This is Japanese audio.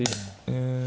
うん。